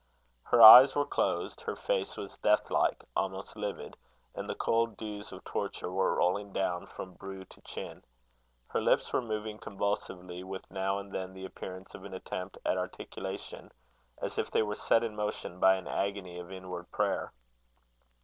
Her eyes were closed; her face was death like, almost livid; and the cold dews of torture were rolling down from brow to chin. Her lips were moving convulsively, with now and then the appearance of an attempt at articulation, as if they were set in motion by an agony of inward prayer.